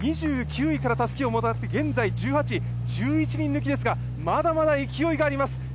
２９位からたすきをもらって現在１８位、１１人抜きですがまだまだ勢いがあります。